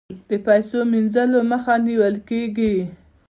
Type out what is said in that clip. د پیسو مینځلو مخه نیول کیږي